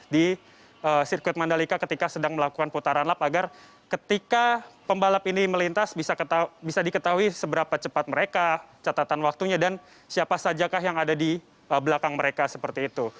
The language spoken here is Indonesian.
di sirkuit mandalika ketika sedang melakukan putaran lap agar ketika pembalap ini melintas bisa diketahui seberapa cepat mereka catatan waktunya dan siapa saja kah yang ada di belakang mereka seperti itu